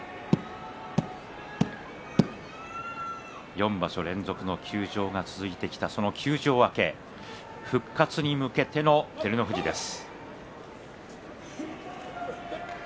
４場所連続の休場が続いてきた照ノ富士復活に向けての照ノ富士です。